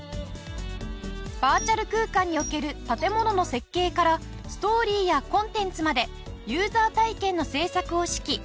バーチャル空間における建物の設計からストーリーやコンテンツまでユーザー体験の製作を指揮。